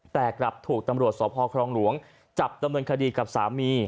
แต่กลับถูกตำรวจสพครองหลวงจับดำเนินคดีกับสามี